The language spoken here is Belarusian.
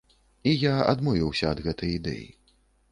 І я адмовіўся ад гэтай ідэі.